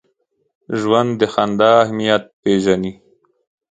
ژوندي د خندا اهمیت پېژني